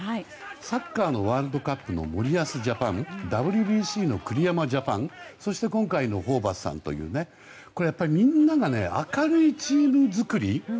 サッカーのワールドカップの森保ジャパンＷＢＣの栗山ジャパンそして今回のホーバスさんというやっぱりみんなが明るいチーム作り。